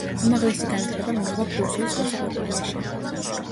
უმაღლესი განათლება მიიღო ბრიუსელის კონსერვატორიაში.